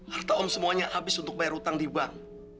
harta om semuanya habis untuk bayar utang di bank